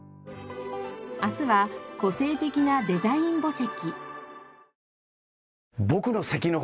明日は個性的なデザイン墓石。